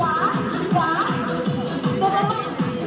อันนั้นสอบด้านหน้า